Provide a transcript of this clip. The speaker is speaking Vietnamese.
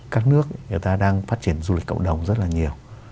các nước người ta đang phát triển du lịch cộng đồng rất là nhiều